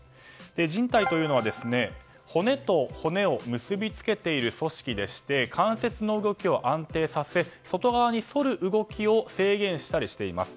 じん帯というのは骨と骨を結び付けている組織で関節の動きを安定させ外側に反る動きを制限したりしています。